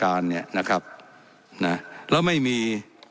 และยังเป็นประธานกรรมการอีก